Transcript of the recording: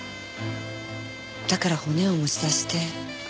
だから骨を持ち出して。